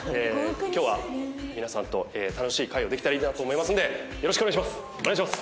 今日は皆さんと楽しい会をできたらいいなと思いますのでよろしくお願いします。